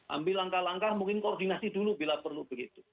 ambil langkah langkah mungkin koordinasi dulu bila perlu begitu